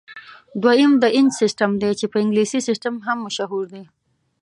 دویم د انچ سیسټم دی چې په انګلیسي سیسټم هم مشهور دی.